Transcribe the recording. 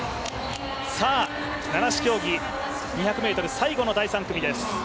七種競技、２００ｍ最後の第３組です。